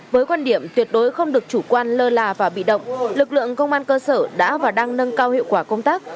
với quan điểm tuyệt đối không được chủ quan lơ là và bị động lực lượng công an cơ sở đã và đang nâng cao hiệu quả công tác